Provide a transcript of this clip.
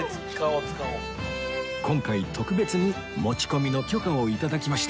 今回特別に持ち込みの許可を頂きました